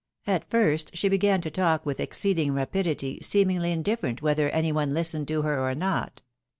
At first she began to talk with exceeding rapidity, seemingly indifierent whether any one listened to her or not.